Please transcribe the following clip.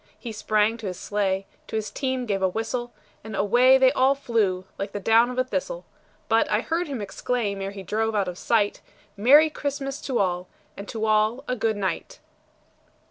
He sprang to his sleigh, to his team gave a whistle, And away they all flew like the down of a thistle; But I heard him exclaim, ere he drove out of sight, "Merry Christmas to all, and to all a good night!"